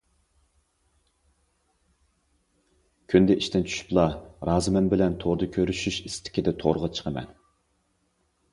كۈندە ئىشتىن چۈشۈپلا‹‹ رازىمەن›› بىلەن توردا كۆرۈشۈش ئىستىكىدە تورغا چىقىمەن.